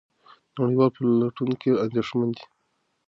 نړیوال پلټونکي اندېښمن دي.